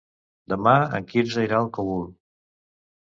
Demà en Quirze irà al Cogul.